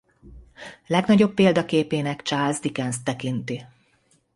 Legnagyobb példaképének Charles Dickenst tekinti.